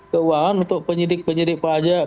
keuangan untuk penyidik penyidik pajak